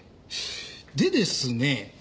でですね